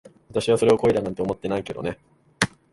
私はそれを恋だなんて思ってないけどね。